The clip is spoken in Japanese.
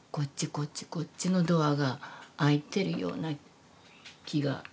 こっちこっちのドアが開いてるような気がしますね。